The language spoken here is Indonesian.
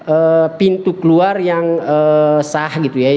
yang membuat mereka kemudian merasa bahwa ada gunanya punya lembaga ini